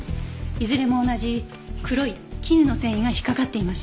いずれも同じ黒い絹の繊維が引っかかっていました。